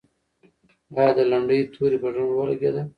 آیا د لنډۍ توري پر زړونو ولګېدل؟